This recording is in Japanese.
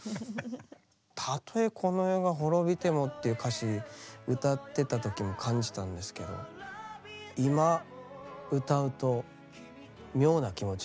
「たとえこの世が滅びても」っていう歌詞歌ってた時も感じたんですけど今歌うと妙な気持ちにやっぱなりましたねうん。